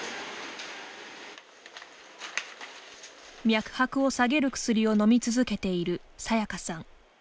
脈拍を下げる薬を飲み続けている、さやかさん。